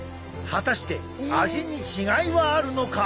果たして味に違いはあるのか？